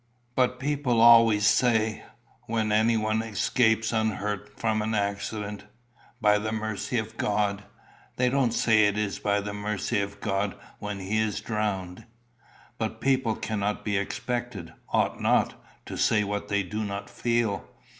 "But people always say, when anyone escapes unhurt from an accident, 'by the mercy of God.' They don't say it is by the mercy of God when he is drowned." "But people cannot be expected, ought not, to say what they do not feel.